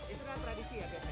itu kan tradisi ya